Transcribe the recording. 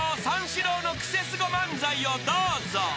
三四郎のクセスゴ漫才をどうぞ］